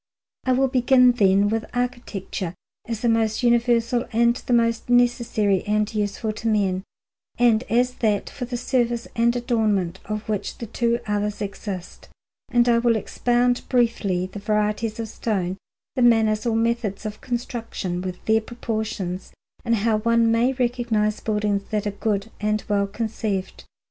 I will begin, then, with architecture, as the most universal and the most necessary and useful to men, and as that for the service and adornment of which the two others exist; and I will expound briefly the varieties of stone, the manners or methods of construction, with their proportions, and how one may recognize buildings that are good and well conceived.